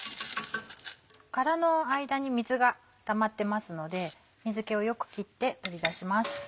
殻の間に水がたまってますので水気をよく切って取り出します。